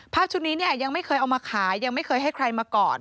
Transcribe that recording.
ชุดนี้เนี่ยยังไม่เคยเอามาขายยังไม่เคยให้ใครมาก่อน